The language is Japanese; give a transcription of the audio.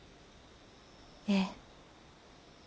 ええ。